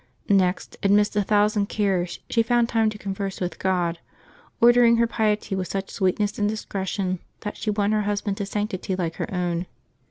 'Next, amidst a thousand cares, she found time to converse with God — ordering her piety with such sweetness and discretion that she won her hus band to sanctity like her own.